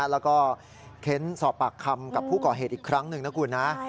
แล้วก็เค้นสอบปากคำกับผู้ก่อเหตุอีกครั้งหนึ่งนะคุณนะ